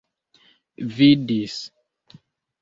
vidis